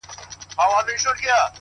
o چي دي شراب، له خپل نعمته ناروا بلله،